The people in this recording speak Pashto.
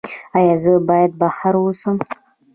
ایا زه باید بهر اوسم؟